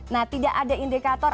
nah tidak ada indikator